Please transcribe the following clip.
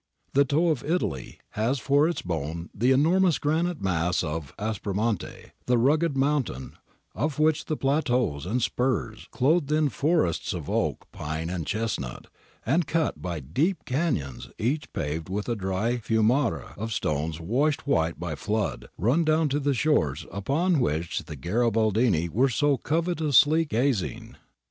The toe of Italy ^ has for its bone the enormous granite mass of Aspromonte, ' the rugged mountain,' of which the plateaus and spurs, clothed in forests of oak, pine, and chestnut, and cut by deep canons each paved with a dry fiumara of stones washed white by flood, run down to the shores upon which the Garibaldini were so covetously gazing.